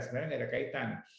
sebenarnya tidak ada kaitan